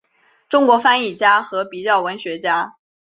中国翻译家和比较文学家。